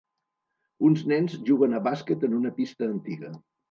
Uns nens juguen a bàsquet en una pista antiga.